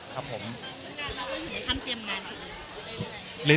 งานเราไม่มีขั้นเตรียมงานอื่น